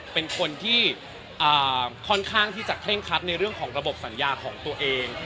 เป็นคนที่ค่อนข้างที่จะเคร่งคัดในเรื่องของระบบสัญญาของตัวเอง